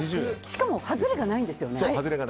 しかも外れがないんですよね。